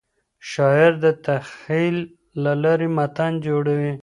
شاعر د تخیل له لارې متن جوړوي.